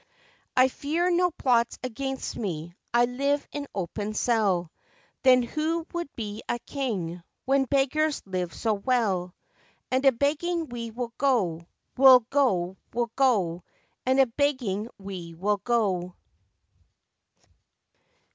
I fear no plots against me, I live in open cell; Then who would be a king When beggars live so well? And a begging we will go, we'll go, we'll go; And a begging we will go!